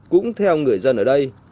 cũng theo người dân ở đây